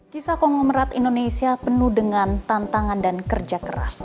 kisah konglomerat indonesia penuh dengan tantangan dan kerja keras